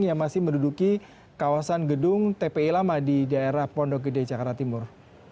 yang masih menduduki kawasan gedung tpi lama di daerah pondok gede jakarta timur